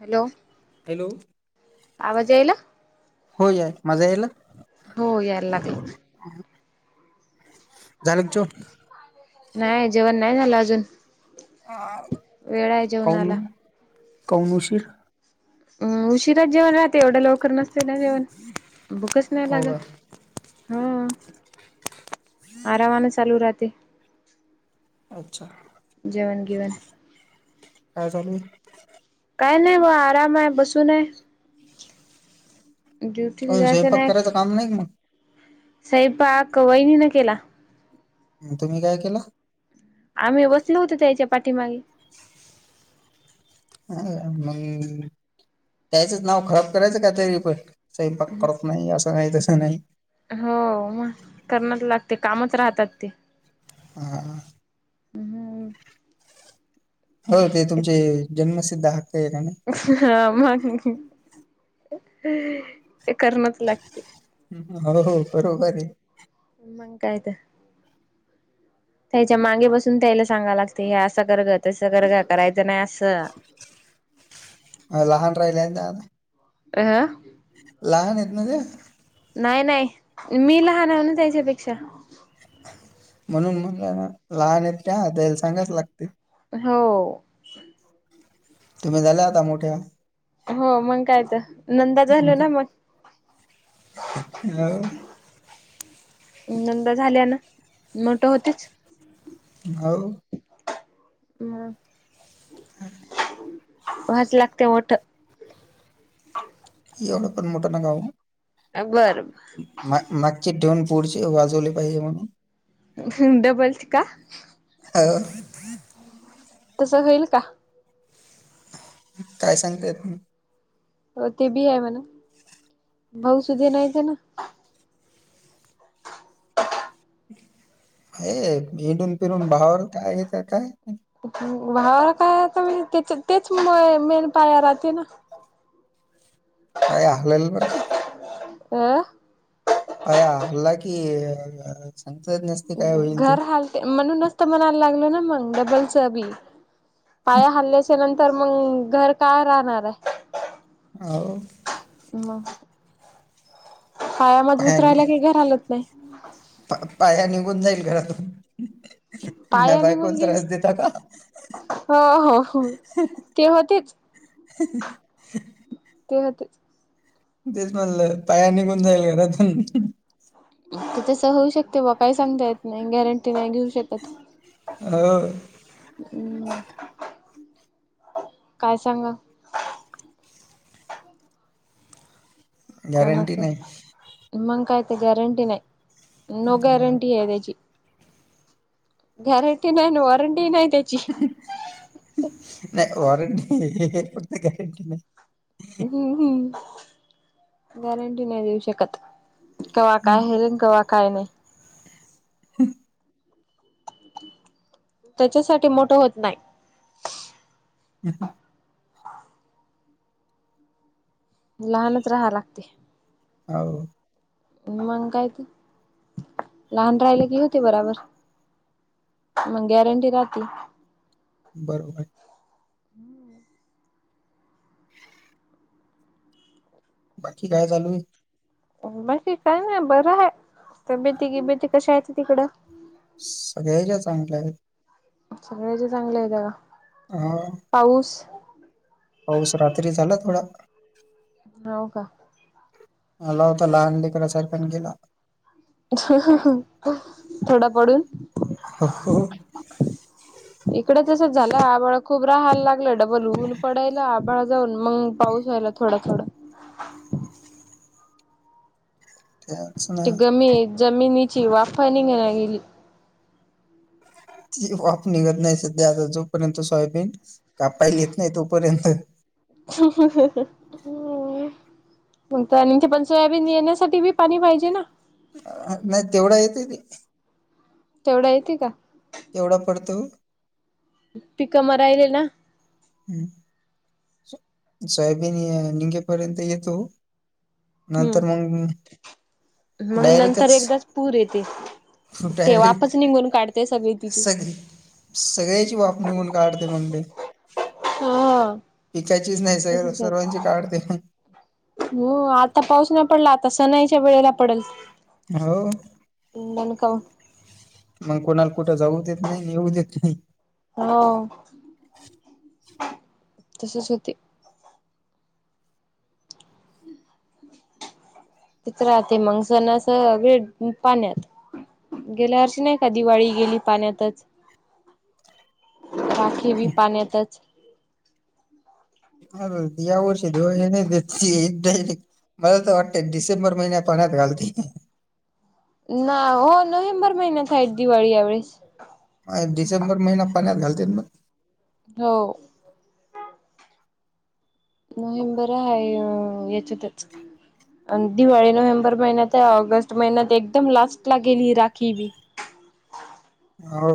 Hello hello आवाज यायला हो या माझा यायला हो यायला लागला झाल का जो नाही जेवण नाही झालं अजून वेळ आहे जेवणाला कौऊन कौऊन उशीर अं उशिराच जेवण राहते एवढ्या लवकर नसते ना जेवण भुकच नाही हो का लागत हां आरामाने चालू राहते अच्छा जेवण गिवण काय चालूय काय नाही बा आराम आहे बसून हाय ड्युटीला काऊन जायचं स्वयंपाक नाही करायचं काम नाही का सईपाक वहिनीन केला. म तुम्ही काय केला. आम्ही बसलो होतो त्यांच्या पाठीमागे मग ताईचच नाव खराब करायचं का तरीपण सईपाक करत नाही असं नाही तसं नाही. हो मग करनार लागते कामच राहतात ते आ हम्म हो ते तुमचे जन्मसिद्ध हक्क आहे ना हां मग ते करणच लागते. हो हो बरोबरे मंग कायत [inaudible] ताईच्या मांगे बसून ताईला सांगाव लागते हे असं कर गं तसं कर गं करायचं नाही असं. लहान राहील्या न त्या आता अं हं लहानेत ना त्या नाही नाही मी लहानउना त्याच्यापेक्षा म्हणून मंग लहान आहेत त्या त्यांला सांगावच लागते. हो तुम्ही झाल्या आता मोठ्या हो मंग कायत नंदा झाल्या ना मग हो नंदा झाल्या ना मोठं होतीच हाव म [unintelligible] भाज लागते ओठ एवढं पण मोठं नका होऊ बर ब मा मागची ठेऊन पुढची वाजवले पाहिजे म्हणून हम डबल ची का हाव तसं होईल का? काय सांगता येत नाई हो ते बी हाय म्हणा भाऊ सुधे नाहीचेना हे हिंडून फिरून भावर कायेत काय हम भावाला काय तुम्ही तेच तेच मेन पाया राहते ना पाय हालेल बर का अ पाया हल्ला कि अ सांगता येत नाइ. घर हालते म्हणूनच त म्हणाला लागल ना मग डबलच बी पाया हाल्याच्या नंतर तर मग घर काय राहणाराय. आव मग पाया मजबूत राहिला काही घर हलत नाही. पा पाया निघून जाईल घरातून मा पाया निघून बायकोला गेला त्रास देता का? हो हो ते होतेच. ह [unintelligible] ते होतेच. तेच म्हणलं बाहेर निघून जाईल घरातुन. ते तसं होऊ शकते बा काही सांगता येत नाही गॅरंटी नाही घेऊ शकत. हो. हम्म, काय सांगा. कोणाच गॅरंटी नाही मग काय तर गॅरंटी नाही. नो अं, गॅरंटी आहे त्याची गॅरंटी नाही, वॉरंटी नाही त्याची. नाही वॉरंटी हे फक्त गॅरंटी नाही. हम्म, हम्म, गॅरंटी नाही देऊ शकत. कवा काय हेरिन, कवा काय नाही. हम्म. त्याच्यासाठी मोठं होत नाही. ह हं. लहानच राहा लागते. हाव. मग कायत लहान राहिले की होते बराबर. मग गॅरंटी राहती. बरोबर. बाकी काय चालू आहे? बाकी काय नाही बरं आहे. तब्येती, गिबेती कशा आहेत तिकड? सगळ्याच्या चांगल्या आहेत. सगळ्याचे चांगले आहेत त्या का? हा, आ.. पाऊस. पाऊस रात्री झाला थोडा. हाव का. मला होता लहान लेकरा सारखा अन गेला. थोडा पडून. हो. इकड तसं झाल आभाळ खूप राहायला लागलं डबल ऊन पडायल ळा जाऊन मग पाऊस आला थोडा, थोडा. त्याच ना गमी जमिनीची वाफर ही निघना गेली. प निघत नाही सध्या आता जोपर्यंत सोयाबीन कापायला येत नाही तोपर्यंत. ह. [unintelligible] पण सोयाबीन येण्यासाठी बी पाणी पाहिजेना. नाही तेवढा येते की. तेवढा येतेका? एवढा पडतो. पिकं मराहिले ना. ह सोयाबीन निगेपर्यंत येतो. नंतर हम्म मग मग नंतर डायरेक्टच एकदाच पूर येते. ते डायरेक्ट वापच निघून काढते सगळीतिची. सगळी सगळ्याची वाफ निघून काढते मग ते. हा. पिकायचीच नाही सग तसच कर सर्वांची काढते. हो आता पाऊस नाही पडला आता सणाईच्या वेळेला पडल. हो नन काव मग कोणाला कुठं जाऊ देत नाही येेऊ देत नाही हो तसच होते तच राहते मग सणस सगळे पाण्यात गेल्या हरशी नाही का दिवाळी गेली पाण्यातच राखे बी पाणीत ह या वर्ष दिवान द मला तर वाटत डिसेंबर महिन्या पाण्यातत घालते ना हो नोव्हेंबर महिना्यात आहेत दिवाळी यावळेस आणि डिसेंबर महिना पाण्यात घालत मग हो नोव्हेंबर आहे अ याची त्याच दिवाळी नोव्हेंबर महिन्यात ऑगस्ट महिन्यात एकदम लास्ट ला गेली राखी बी हो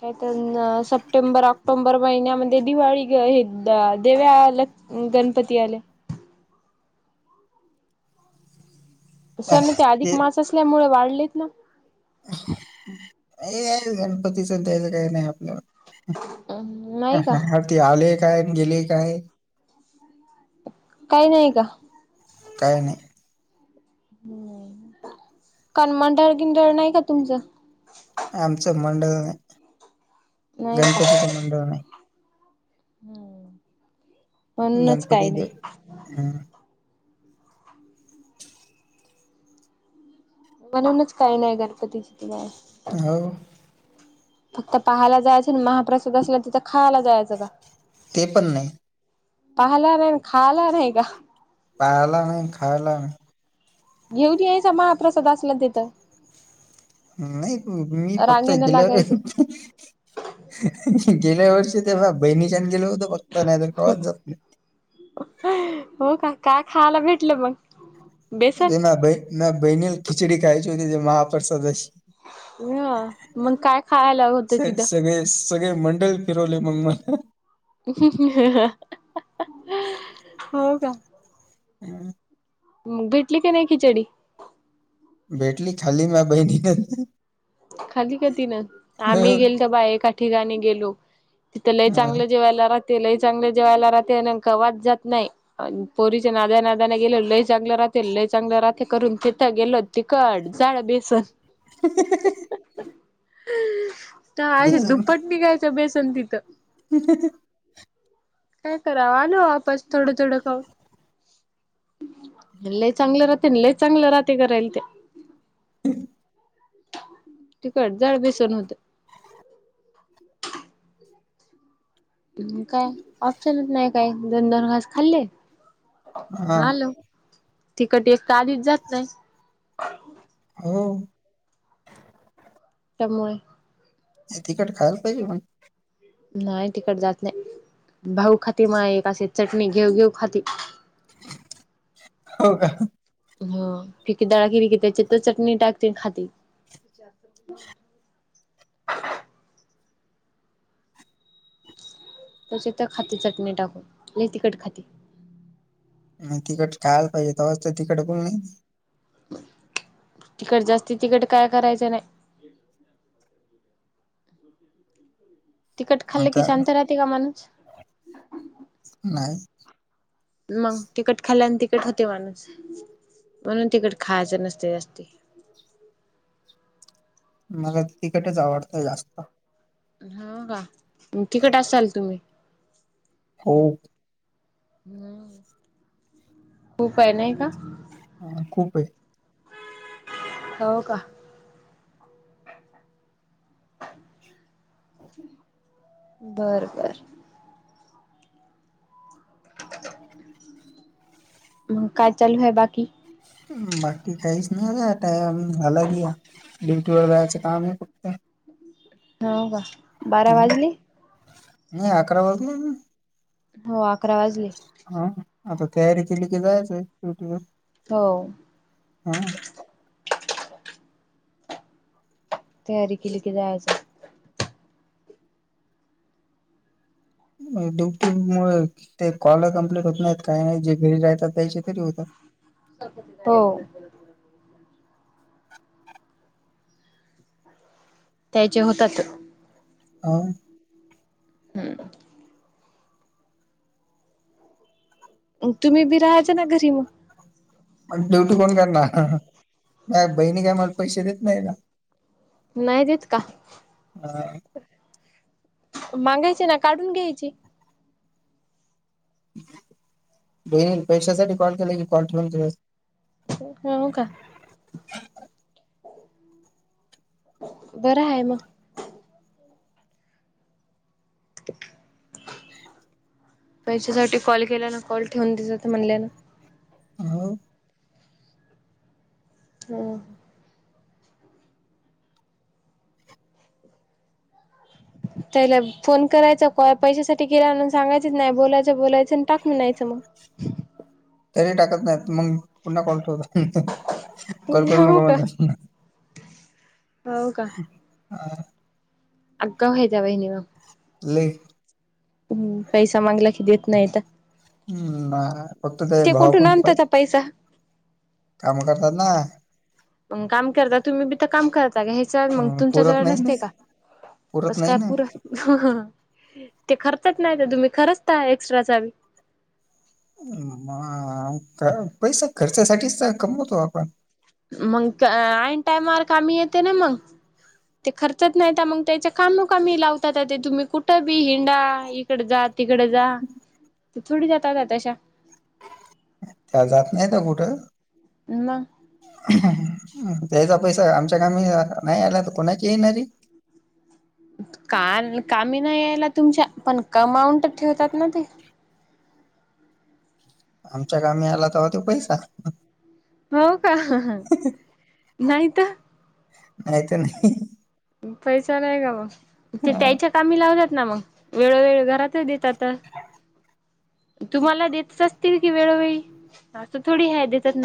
काय तर सप्टेंबर ऑक्टोंबर महिन्यामध्ये दिवाळी हे देव्याला गणपती आले सर ना ते अधिक मास असल्यामुळे वाढलेत ना हे आहे गणपतीच द्याच काय नाही आपल्याला नाही का ह ते आले काय गेले काय ह काही नाही का काही नाही कनमडळ किंडळ नाही का तुमचं आमचं मंडळ नाही नाही का गणपतीचं मंडळ नाही हम्म गणपती ते हम म्हणूनच काही नाही गणपतीची तमस हो फक्त पहायला जायचं ना महाप्रसाद असला तिथं खायला जायचं का ते पण नाही पाहिला नाही खाला नाही का पाहिला नाही खायला नाही घेऊन यायचा महाप्रसाद असला तथं नाही मी फक्त रांगेन गेल लागायचं. गेल्या वर्षी ते बहिणीच्यान गेलं होतं फघत नाही तर कळत जात नाही हो का काय खायला भेटलं मग बेसन? अरे म ब म बहिनीला खिचडी खायची होती ते ज महाप्रसादची ह मग काय खायला होतं स तिथं सगळे सगळे मंडळ फिरवले मग मला हो का हम् भेटली की नाही खिचडी भेटली खाली म बहीणीन खाली क ती ना हो आम्ही गेल तर बा एका ठिकाणी गेलो तिथं लई चांगलं जेवायला राहते लई चांगलं जेवायला राहते नेमकं वास जात नाही पोरीच्या नाद्या नादने गेल लय चांगलं राहते लय चांगलं राहते करून तिथं गेलो तिकट जाळ बेसन [unintelligible] य दुप्पटणीघायचं बेसन तिथं [inaudible] काय करावा आलो वापस थोडं थोडं खाऊन लय चांगलं राहते लय चांगलं राहते करायल ते तिकट जाळ बेसून होत. काय ऑप्शनच नाही काय दोन दोन घास खाल्ले हा. हा आलो. तिकट एक तर आधीच जात नाही. हो त्यामुळे तिकट खायला पाहिजे पण नाही तिकट जात नाही भाऊ खाती मग एक असे चटणी घेऊ घेऊ खाती. हो का हो फेकी डाळ केली कि त्याच्यातच चटणी टाकते खाती. [inaudible] त्याचीतच खाती चटणी टाकू लय तीखट खाती. आणि तिकट खायला पाहिजे तवच तर तिकीट बोलणे तिकट जास्तीत तिकट काय करायचं नाही तिकट मग खाल्ले की का शांत राहते का माणूस नाही मग तिकट खाल्ल्यान तिकट होते माणूस म्हणून तिकट खायचं नसते जास्त. मला तिकटच आवडतं जास्त. हो का तिकट असाल तुम्ही हो हम् खूप आहे नाही का हा खूप आहे. हो का बरबर मग काय चालू आहे बाकी बाकी काहीच नाही आता टम हलागि जायचं काम आहे फक्त [unintelligible] हो का बारा हम वाजले नाही अकरा वाजले ना हो अकरा वाजले हा आता तयारी केली की जायचंय ड्यूटीवर हो. हा तयारी केली की जायचं. ड्युटी मु ते कॉल कमप्लीट होत नाहीत काही नाही जे घरी राहतात त्यायचे तरी होतात. हो. त्याचे होतात. ह हम तुम्ही बी राहायच ना घरी मग मण ड्युटी कोण करणार बहिणी काय मला पैसे देत नाही ना नाहीत येत का ह मागायची ना काढून घ्यायची बेन पैशासाठी कॉल केला की कॉल ठेवून दिस हो का बरं आहे मग पैशसाठी कॉल केला ना कॉल ठेवून दिस तर म्हणल्या ना- हो हा त्याला फोन करायचा कॉल पैशासाठी गेला म्हणून सांगायच नाही बोलायचं बोलायचं आणि टाकून नयचं मग-, तरी टाकत नाहीत मग पुन्हा कॉल होत. हो का हो का हा आग हय जाव हनिमम लइ ह् पैसा मागला की देत नाही तर हम् बा ते कुठून आणबताचा पैसा काम करतात ना मग काम करता तुम्ही बी तर काम कर सग हे चळ मग अं, तुमच्या पुरत जवळ नाही ना नसते का पुरत कसं नाही काय ना पुर ते खर्चच नाही तर तुम्ही खरचता एक्स्ट्रा चा म पैसा खर्चासाठीच तर कमवतो आपण मग न टायमार कामी येते ना मग ते खर्चत नाही मग त्याच्या कामोकामी लावतात ते तुम्ही कुठं बी हिंडा तिकड जा तिकड जा तर थोडी जातातात तशा त्या जात नाही का कुठं ना त्याचा पैसा आमच्या काामी नाही आला तर कोणाची येणारी का कामी नाही यायला तुमच्या पण कमाऊंट ठेवतात ना ते आमच्या कामी आला तरव तो पैसा हो का नाही तर नाहीयत नाही. पैसा नाही का मग ते त्यायच्या कामी लावल्यात ना मग वेळोवेेळ घरात द आता तुम्हाला देत असतील. वेळोवेेळी अस थोडी ह देतात नाही.